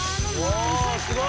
すごい。